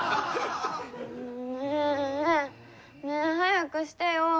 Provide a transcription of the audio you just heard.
ねえ！ねえ早くしてよ。